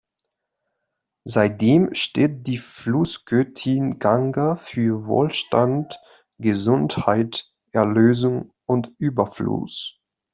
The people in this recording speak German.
Seitdem steht die Flussgöttin Ganga für Wohlstand, Gesundheit, Erlösung und Überfluss.